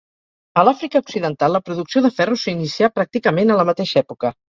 A l'Àfrica occidental, la producció de ferro s'inicià, pràcticament, a la mateixa època.